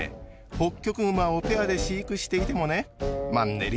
ホッキョクグマをペアで飼育していてもねマンネリ